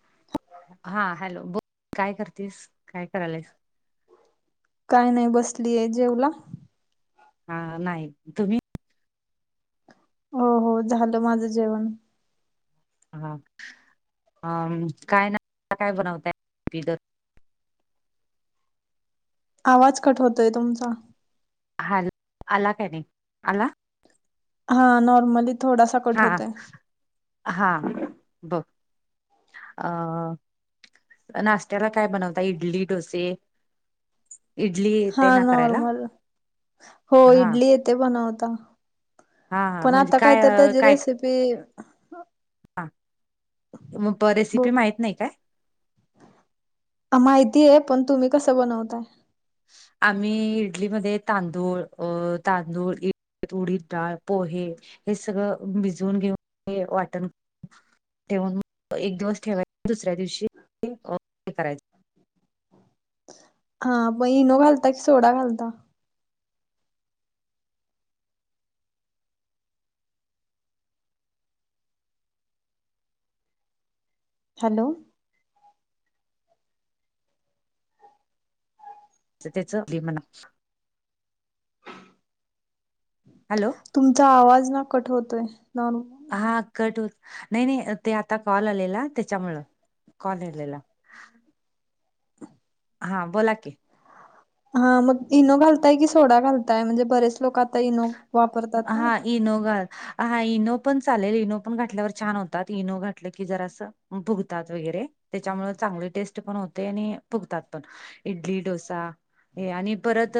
[inaudible] हा हॅलो बोल काय करतेस काय करालाईस काय नाय बसलीय जेवला हा नाही तुम्ही हो हो झालं माझ जेवण हा काय ना आता काय बनवताय तिड आवाज कट होतोय तुमचा हॅल आला काय नाई आला हा नॉर्मली थोडासा कट हा होतोय हा ब अ नाशत्याला काय बनवता इडली डोसे इडली हा येते ना करायला नॉर्मल हो हा इडली येते बनवता. हा हा पण म्हणजे आता काय तर अ, त्याजी काय रेसिपी हा मग प रेसिपी माहीत नाही काय? माहिती आहे पण तुम्ही कसं बनवताय? आम्ही इडलीमध्ये तांदूळ अ तांदूळ इ उडीद डाळ पोहे हे सगळं भिजून घेऊन वाटण ठेवून म एक दिवस ठेवायचा दुसऱ्या दिवशी अ हे करायचं. हा पण इनो घालता की सोडा घालता? हॅलो तर त्याचा दे मन्ना. हॅलो तुमचा आवाज ना कट होतोय नानू हा कट होत नाही नाही ते आता कॉल आलेला त्याच्यामुळ कॉल आलेला हा बोला की. हा मग इनो घालताय की सोडा घालताय म्हणजे बरेच लोकं आता इनो वापरतात ना. हा इनो घा हा इनो पण चालेल इनो पण घातल्यावर छान होतात इनो घातलं की जरासं. फुगतात वगैरे त्याच्यामुळे चांगली टेस्ट पण होते आणि फुगतात पण. इडली डोसा हे आणि परत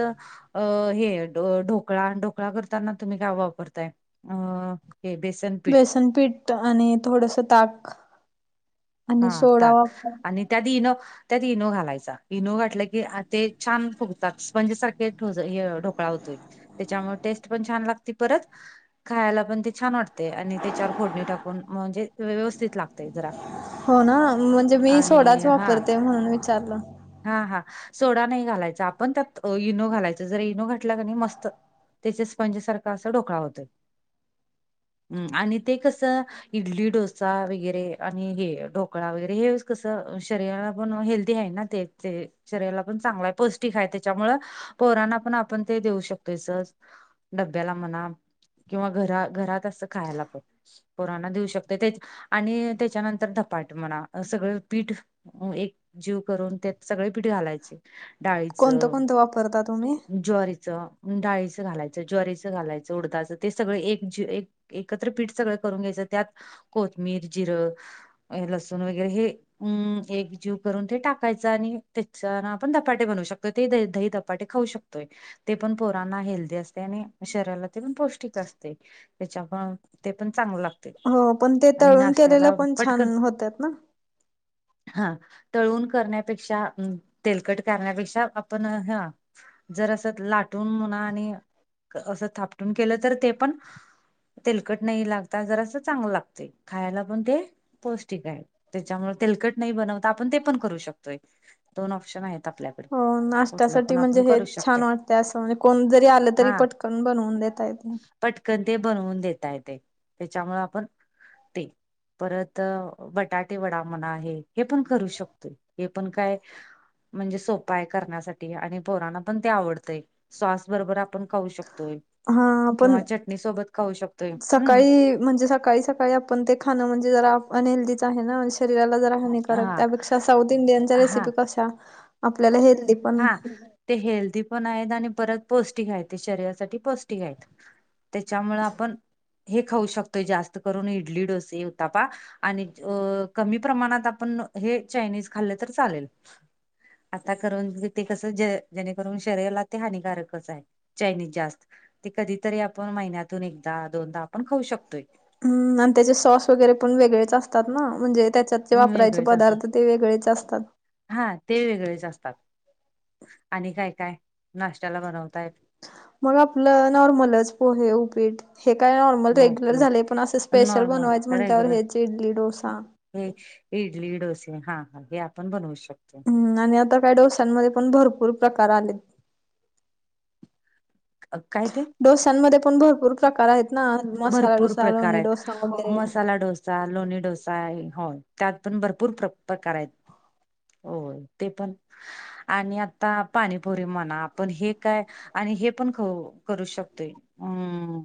अ हे ढोकळा ढोक ढोकळा करताना तुम्ही काय वापरताय अ हे बेस बेसन पीठ आणि थोडस ताक आणि हा सोडा ताक वापर आणि त्यात इनो त्यात इनो घालायचा इनो घाटला की ते छान फुगतात म्हणजे स्पंज सारखा हा ढोकळा होतोय. त्याच्यामुळे टेस्ट पण छान लागती परत खायला पण ते छान वाटते आणि त्याच्यावर फोडणी टाकून म्हणजे व्यवस्थित लागते जरा. हो ना म्हणजे मी आणि सोडाच हा वापरते म्हणून विचारलं. हा हा सोडा नाही घालायचा आपण त्यात इनू घालायचं जर इनू घाटला क नाही मस्त त्याच्या स्पंजसारखा असा ढोकळा होतोय आणि ते कसं इडली डोसा वगैरे आणि हे ढोकळा वगैरे हे कसं शरीराला पण हेल् दी आहे ना ते ते शरीराला पण चांगला आहे, पौष्टिक आहे त्याच्यामुळे पोरांना पण आपण ते देऊ शकतोयस. डब्याला म्हणा किंवा घरा घरात असं खायला पण. पोरांना देऊ शकते ते आणि त्याच्यानंतर धपाट म्हणा सगळं पीठ ओ एक जीव करून त्यात सगळे पिठ घालायचे. कोणतं डाळीचा, कोणतं वापरता तुम्ही? ज्वारीचा डाळीचं घालायचं, ज्वारीचा घालायचं, उडदाचं ते सगळं एक जीव एक एकत्र पीठ सगळं करून घ्यायचं त्यात कोथमीर, जिरं लसूण वगैरे हे अम्म एक जीव करून ते टाकाय चा आणि त्याच्याना आपण धपाटे बनवू शकतोय ते द दही धपाटे खाऊ शकतोय. ते पण पोरांना हेल्दी असते आणि शरीराला ते पण पौष्टिक असते. त्याच्या पण ते पण चांगलं लागत. हो पण ते तळून केलेलं पण छान पटकन होत्यात ना. हा तळून करण्या पेक्षा अ तेलकट करण्यापेक्षा आपण हा जर असं लाटून मुना आणि असं थापटून केलं तर ते पण तेलकट नाही लागता जरा असं चांगलं लागतय खायला पण ते पौष्टिक आहे, त्याच्यामुळे तेलकट नाही बनवता आपण ते पण करू शक तोय दोन ऑप्शन आहेत आपल्याकडे. हो कुठलं नाश्त्यासाठी पण म्हणजे आपण हे करू छान शकतोय वाटतंय असं म्हणजे कोण जरी आलं तरी हा पटकन बनवून देता येतेय. पटकन ते बनवून देता येतंय त्यांच्यामुळे आपण ते परत बटाटे वडा म्हणा आहे हे पण करू शकतो. हे पण काय म्हणजे सोपां आहे करण्यासाठी आणि पोरांना पण ते आवडतय. सॉस बरोबर आपण खाऊ शकतोय. हा पण किंवा चटणी सोबत खाऊ शकतोय हम्म सकाळी म्हणजे सकाळी सकाळी आ पण ते खाणं म्हणजे जरा अनहेल्दीचं आहे ना शरीराला जरा हानी हा कारक त्यापेक्षा साउथ इंडियच्या हा रेसिपी कशा आपल्याला हेल्दी पण हा ते हेल्दीपण आहेत, आणि परत पौष्टिक आहेत ते शरीरासाठी पौष्टिक आहेत. त्याच्यामुळ आपण हे खाऊ शकतोय जास्त करून इडली, डोसे, उत्तप्पा. आणि अ कमी प्रमाणात आपण हे चायनीज खाल्लं तर चालेल. आता करून ते कसं जे जेणेकरून शरीराला ते हानिकारकच आहे चायनीज जास्त ते कधीतरी आपण महिन्यातून एकदा दोनदा आपण खाऊ शकतोय. हम् आणि त्याचे सॉस वगैरे पण वेगळेच असतात ना म्हणजे त्याच्यात ते वापरायचे वेगळेच असतात. पदार्थ ते वेगळेच असतात. हा ते वेगळेच असतात, आणि काय काय नाष्ट्याला बनवताय? मग आपलं नॉर्मलच पोहे, उपीट हे काय नॉर्मल रेग्युलर उपीट झालय. पण असं स्पेशल नॉर्मल बनवायचं म्हटल्यावर रेग्युलर हेचे इडली, डोसा. हे इडली, डोसे हा हा हे आपण बनवू शकतो. हम् आणि आता काय डोशांमध्ये पण भरपूर प्रकार आलेत. अ काय ते? डोस्यांमध्ये पण भरपूर प्रकार आहेत ना मसाला भरपूर डोसा, प्रकार लोणी आहेत. डोसा, वगैरे! मसाला डोसा, लोणी डोसा आहे, होय त्यात पण भरपूर प्र प्रकार आहेत. होय ते पण आणि आता पाणीपुरी म्हणा पण हे काय आणि हे पण खाऊ करू शकतोय हम्म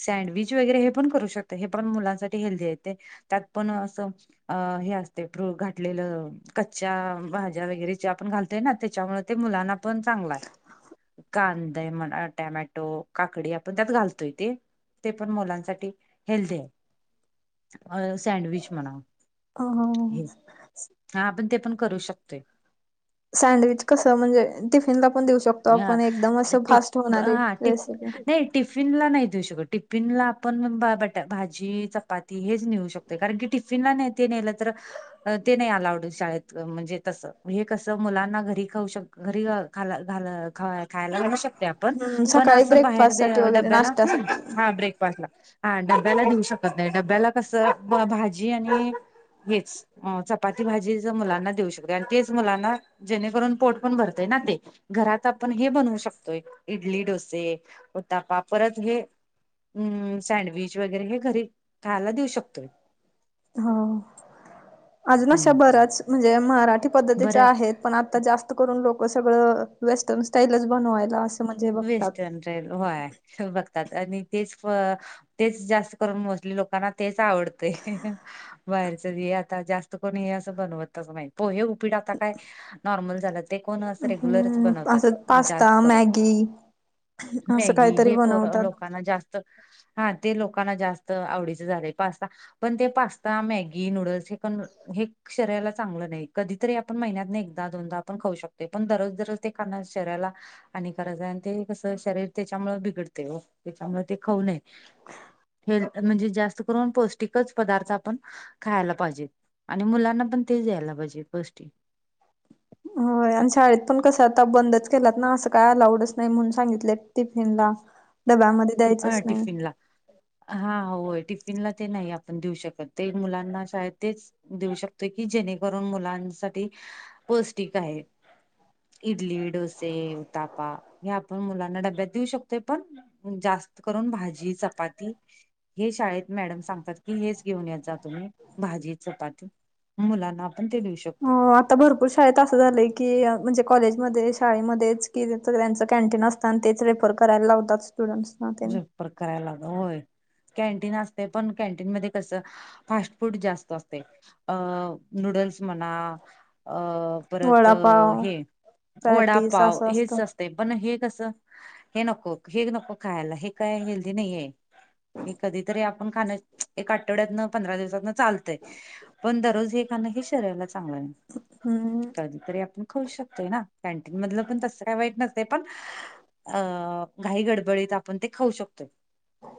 सँडविज वगैरे हे पण करू शकतय हे पण मुलांसाठी हेल्दी आहे येत त्यात पण असं अ हे असतंय प्र घातलेलं. कच्च्या भाज्या वगैरे जे आपण घालतोय ना त्याच्यामुळे ते मुलांना पण चांगल आहे. कांदे म्हणा, टोमॅटो, काकडी, आपण त्यात घालतोय ते. ते पण मुलांसाठी हेल्दी आहे. अ सँडविच म्हणा! हो हो! हे हा आपण ते पण करू शकतोय. सँडविच कसं म्हणजे टिफिनला पण देऊ शक तो ह आपण एकदम असं फास्ट टिप होणारी हा टिप रेसिपी आहे. नाही टिफिनला नाही देऊ शकत टिफिनला आपण बटा भाजी चपाती हेच नेहु शक तोय कारण की टिफिनला ते नाय ते नेलं तर ते नाही अलाउड शाळेत म्हणजे तसं हे कसं मुलांना घरी खाऊ शकत घरी खालाल खायला घालू शकतोय आपण हम्म पण सकाळी असं बाहेर ब्रेकफास्ट साठी वगैरे डब्याला नाश्त्यासाठी हा ब्रेकफास्टला हा डब्याला देेऊ शकत नाही डब्याला कसं भाजी आणि हेच. अ चपाती भाजीच मुलांना देऊ शकतो आणि तेच मुलांना जेणेकरून पोट पण भरतय ना ते. घरात आपण हे बनवू शकतोय इडली, डोसे, उत्तप्पा परत हे हम्म सँडविच वगैरे, हे घरी खायला देऊ शकतोय. हो, अजून अशा हम्म. बऱ्याच म्हणजे मराठी बऱ्याच पद्धतीच्या आहेत. पण आता जास्त करून लोक सगळं वेस्टन स्टाईलच बनवायला अस वेस्टन स्टाईल होय बघतात आणि तेच तेच जास्त करून मोस्टली लोकांना तेच आवडतय. बाहेरच बी आता जास्त कोणी हे असं बनवतच नाही पोहे, उपीट आता काय नॉर्मल झालं ते कोण असं रेग्युलरच हम्म असं बनवतात जास्त पास्ता करून. मॅगी असं मॅगी काहीतरी हे पोर बनवतात लोकांना जास्त हा ते लोकांना जास्त आवडीच झालंय पास्ता पण ते पास्ता, मॅगी, नूडल्स हे पण हे शरीराला चांगलं नाही कधीतरी आपण महिन्यात एकदा दोनदा आपण खाऊ शकतो पण दररोज दररोज ते खान शरीराला आणि खरंच आहे आणि ते कस शरीर त्याच्यामुळे बिघडतय ओ त्याच्यामुळे ते खाऊ नये. हेल् म्हणजे जास्त करून पौष्टिकच पदार्थ आपण खायला पाहिजेत आणि मुलांना पण ते द्यायला पाहिजे पोष्टीक- होय आणि शाळेत पण कसं आता बंदच केलात ना असं काय अलाऊडच नाही म्हणून सांगितले. टिफिन ला डब्यामध्ये हा द्यायचच नाही. टिफिनला हा होय टिफिनला ते नाही आपण देऊ शकत ते मुलांना शाळेत तेच देऊ शकतो की जेणेकरून मुलांसाठी पौष्टिक आहे. इडली डोसे उताापा हे आपण मुलांना डब्यात देऊ शकतोय पण जास्त करून भाजी चपाती- हे शाळेत मॅडम सांगतात की हेच घेऊन येत जा तुम्ही भाजी चपाती मुलांना आपण ते देऊू शकतो हा आता भरपूर शाळेत असं झालंय की म्हणजे कॉलेजमध्ये शाळेमध्येच कि त्यांचं कॅन्टीन असत तेच रेपर करायला लावतात स्टुडंट्स जेफर करायला लाग होय कँन्टीन असते पण कॅन्टीन मध्ये कसं फास्ट फूड जास्त असते अ नूडल्स म्हणा अ परत वडापाव हे पॅटीस वडापाव असं हेच असतं असत ते पण हे कसं हे नको हे नको खायला हे काय हेल्दी नाही आहे हे कधीतरी आपण खाण एक आठवड्यातन पंधरा दिवसातन चालतंय पण दररोज हे खाणं हे शरीराला चांगलं नसतय हम् तरी आपण खऊ शकतोय ना कँन्टीनमधल पण तस का वाईट नसतय पण अ घाई गडबडीत आपण ते खाऊ शकतोय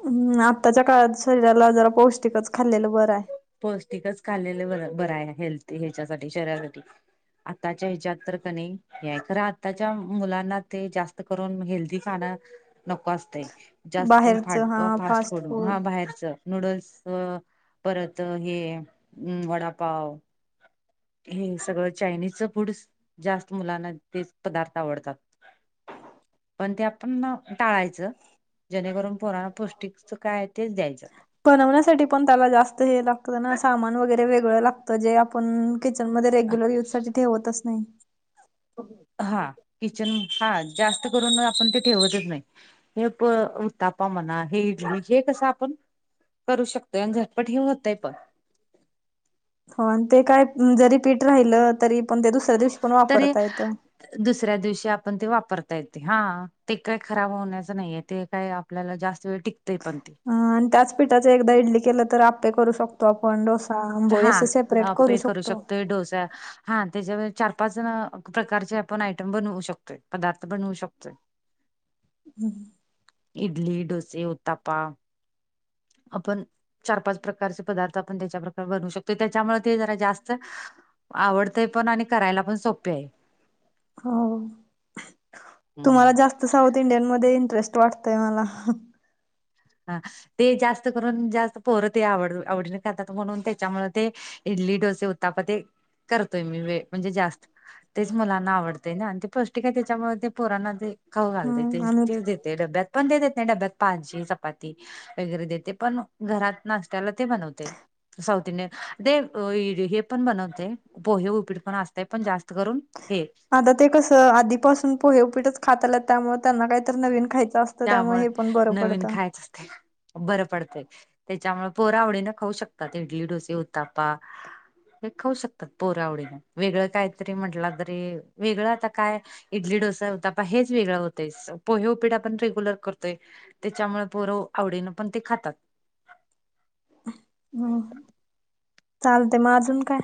हम् आत्ताच्या काळात शरीराला जरा पौष्टिकच खाल्लेलं बरं आहे पौष्टिकच खालेलं ब बर आहे हेल्थ ह्याच्यासाठी शरीरासाठी आत्ताच्या ह्याच्यात तर क नाही हे खरंय आताच्या मुलांना ते जास्त करून हेल्दी खाणं नको असतय जास्तून फा फास्ट फूड हा बाहेरच नूडल्स परत हे वडापाव हे सगळं चायनीजचं फूड जास्त मुलांना तेच पदार्थ आवडतात पण ते आपण टाळायचं जेणेकरून पोरांणा पौष्टिकच काय आहे तेच द्यायचं बनवण्यासाठी पण त्याला जास्त हे लागतं ना सामान वगैरे वेगळं लागत तर जे आपण किचनमध्ये रेग्युलर युजसाठी ठेवतच नाही हा किचन हा जास्त करून आपण ते ठेवतच नाही हे प उतापा म्हणा हे इड हेे कसं आपण करू शकतोय आणि झटपट हे होतय पण हो आणि ते काय जरी पीठ राहिलं तरी पण ते दुसऱ्या दिवशी पण तरी वापरता येतं दुसऱ्या दिवशी आपण ते वापरता येते हा ते काय खराब होण्याचं नाहीय ते काय आपल्याला जास्त वेळ टिकतय पण ते. अ आणि त्याच पिठाच एकदा इडली केलं तर आपे करू शकतो तो आपण डोसा आंबोळी अस सेपरेट करू शकतो डोस आहे हा त्याच्यावर चार पाच प्रकारचे आपण आयटम बनवू शकतोय पदार्थ बनवू शकतोय हम् [unintelligible] हम. इडली, डोसे, उतापा. आपण चार पाच प्रकारचे पदार्थ आपण त्याच्या प्रकारे बनवू शकतो त्याच्यामुळे ते जरा जास्त आवडतंय पण आणि करायला पण सोपे आहे. हो तुम्हाला हम्म जास्त साऊथ इंडियन मध्ये इंटरेस्ट वाटतंय मला. हा ते जास्त करून जास्त पोर ते आवड आवडीने खतात म्हणून त्याच्यामूळ ते इडली, डोसे, उत्ताप ते करतोय मी वे म्हणजे जास्त तेच मुलांना आवडतय ना आणि ते पौष्टिक आहे त्याच्यामूळ पोरांना ते ख घाल द हम्म आणि त देते डब्यात पण देत नाही डब्या पाची [unintelligible] चपाती वगैरे देते पण घरात नाश्ता ते बनवते. साऊथ इंडियन ते हे पण बनवते. पोहे उपीड पण असते पण जास्त करून हे. आता ते कसं आधीपासून पोहे उपीटच खातालत त्यामुळे त्यांना काहीत नवीन खायचं असतं. त्यामुळे हे पण बरं नवीन पडतं. खायच असते. बरं पडतय त्याच्यामुळे पोर आवडीने खाऊ शकतात इडली, डोसे, उतापा. हे खाऊ शकतात पोर आवडीने वेगळं काहीतरी म्हटलं तरी वेगळ आता काय इडली, डोसा, उतापा हेच वेगळं होतेस पोहे उपिडा पण रेग्युलर करतोय त्याच्यामुळे पोर आवडीनी पण ते खातात. हम चालते मग अजून काय.